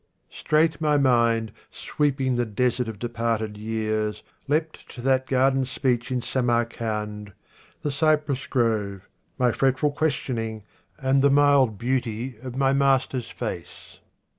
Straight my mind, Sweeping the desert of departed years, Leaped to that garden speech in Samarcand, The cypress grove, my fretful questioning, And the mild beauty of my master's face.